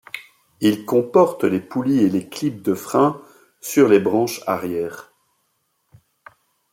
Ils comportent les poulies et les clips de freins sur les branches arrières.